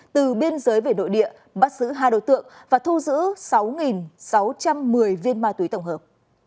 từ biên giới về nội địa bắt giữ hai đối tượng và thu giữ sáu sáu trăm một mươi viên ma túy tổng hợp